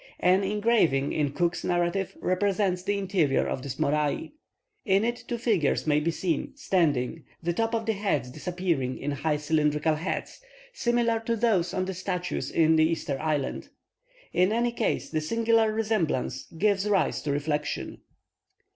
An engraving in Cook's narrative represents the interior of this morai. In it two figures may be seen, standing, the top of the heads disappearing in high cylindrical hats, similar to those on the statues in Easter Island. In any case, the singular resemblance gives rise to reflection.